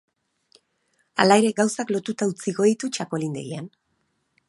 Hala ere, gauzak lotuta utziko ditu txakolindegian.